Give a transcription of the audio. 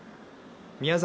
宮崎